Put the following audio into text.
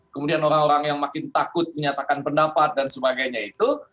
kemudian orang orang yang makin takut menyatakan pendapat dan sebagainya itu